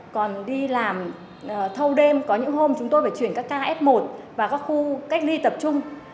còn đi làm thâu đêm có những hôm chúng tôi phải chuyển các ca f một vào các khu cách ly tập trung